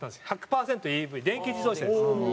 １００パーセントＥＶ電気自動車です。